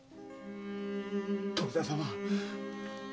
徳田様。